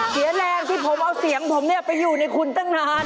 เสียแรงที่ผมเอาเสียงผมไปอยู่ในคุณตั้งนาน